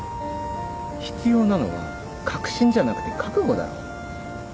必要なのは確信じゃなくて覚悟だろ。